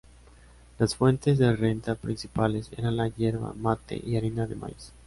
Las fuentes de renta principales eran la hierba-mate y harina de maíz.